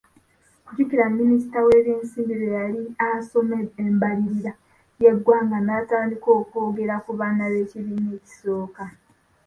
Jjukira mminisita w’ebyensimbi lwe yali asoma embalirira y’eggwanga n’atandika okwogera ku baana b'ekibiina ekisooka.